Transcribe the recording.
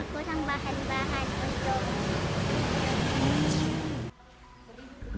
kurang bahan bahan untuk